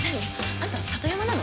あんた里山なの？